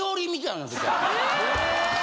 え？